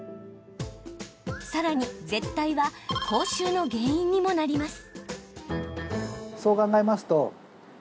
さらに、舌たいは口臭の原因にもなります。